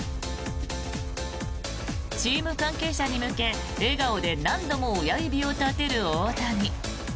チーム関係者に向け笑顔で何度も親指を立てる大谷。